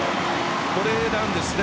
これなんですね。